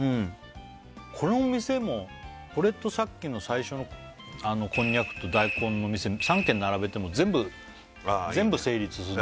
この店もこれとさっきの最初のこんにゃくと大根の店３軒並べても全部全部成立するね